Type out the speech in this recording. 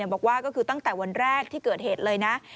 บอกว่าก็คือตั้งแต่วันแรกที่เกิดเหตุเลยนะ